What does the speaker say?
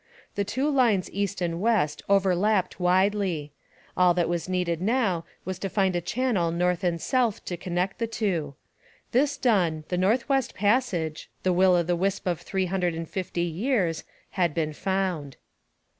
The two lines east and west overlapped widely. All that was needed now was to find a channel north and south to connect the two. This done, the North West Passage, the will o' the wisp of three hundred and fifty years, had been found.